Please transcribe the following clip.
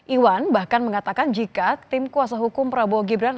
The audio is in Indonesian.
iwan bahkan mengatakan jika tim kuasa hukum prabowo gibran